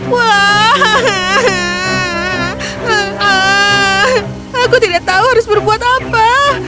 wah aku tidak tahu harus berbuat apa